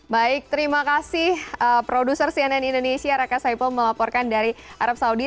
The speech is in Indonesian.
baik terima kasih produser cnn indonesia raka saipul melaporkan dari arab saudi